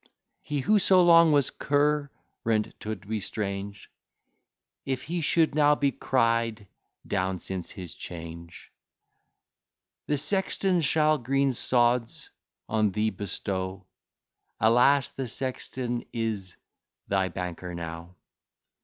He who so long was current, 'twould be strange If he should now be cry'd down since his change. The sexton shall green sods on thee bestow; Alas, the sexton is thy banker now!